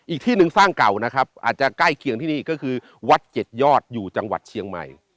อีกที่หนึ่งสร้างเก่านะครับอาจจะใกล้เคียงที่นี่ก็คือวัดเจ็ดยอดอยู่จังหวัดเชียงใหม่